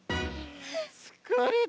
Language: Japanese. つかれた。